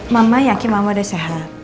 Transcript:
mama yakin mama udah sehat